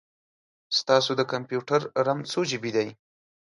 ستاسو د کمپیوټر رم څو جې بې دی؟